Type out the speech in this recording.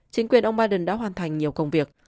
chính quyền ông biden đã hoàn thành nhiều công việc